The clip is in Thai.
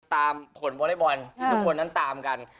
ตามผลวอเล็กบอลทุกคนนั้นตามกัน